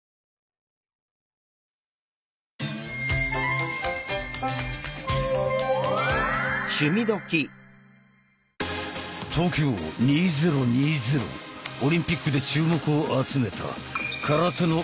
東京２０２０オリンピックで注目を集めた空手の形を学ぶ。